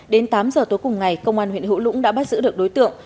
đến tám giờ tối cùng ngày công an huyện hữu lũng đã bắt giữ được đối tượng